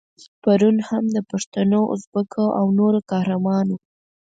پرون هم د پښتنو، ازبکو او نورو قهرمان وو.